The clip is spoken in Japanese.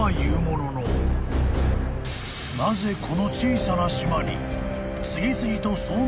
もののこの小さな島に］